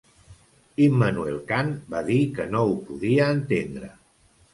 Immanuel Kant va dir que no ho podia entendre